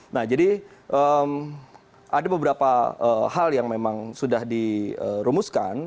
nah jadi ada beberapa hal yang memang sudah dirumuskan